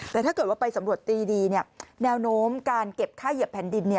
แต่ถ้าเกิดว่าไปสำรวจตีดีแนวโน้มการเก็บค่าเหยียบแผ่นดิน